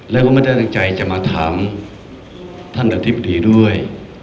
และก็ไม่ตั้งใจมาถามท่านหลักทฤษฎีด้วย